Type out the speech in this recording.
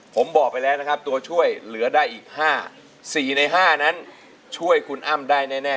ผมบอกไปแล้วนะครับตัวช่วยเหลือได้อีก๕๔ใน๕นั้นช่วยคุณอ้ำได้แน่